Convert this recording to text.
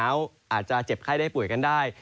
อาจจะเจ็บไข้ได้ป่วยกันได้